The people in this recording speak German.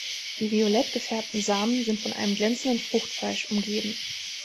Die violett gefärbten Samen sind von einem glänzenden Fruchtfleisch umgeben.